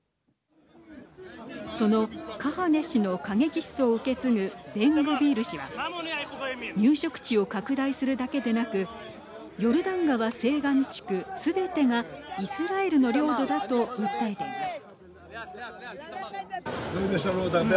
そのカハネ師の過激思想を受け継ぐベングビール氏は入植地を拡大するだけでなくヨルダン川西岸地区すべてがイスラエルの領土だと訴えています。